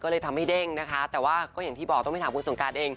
ก็เลยทำให้เด้งนะคะแต่ว่าก็อย่างที่บอกต้องไปถามคุณสงการเอง